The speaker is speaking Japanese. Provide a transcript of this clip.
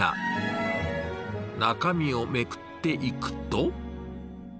中身をめくっていくと。